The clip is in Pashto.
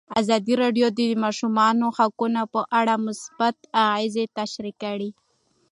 ازادي راډیو د د ماشومانو حقونه په اړه مثبت اغېزې تشریح کړي.